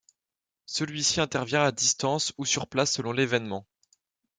Celui-ci intervient à distance ou sur place selon l'évènement.